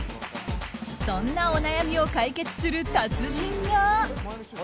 そんなお悩みを解決する達人が。